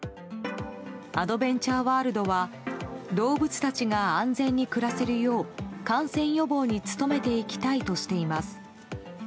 アドベンチャーワールドは動物たちが安全に暮らせるよう感染予防に努めていきたいとしてます。